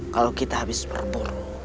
kalau kita habis berburu